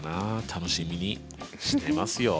楽しみにしてますよ。